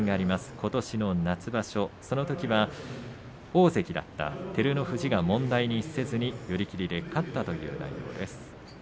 ことしの夏場所、そのときは大関だった照ノ富士が問題にせずに寄り切りで勝ったという内容です。